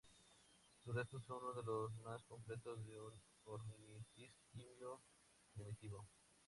Sus restos son unos de los más completos de un ornitisquio primitivo.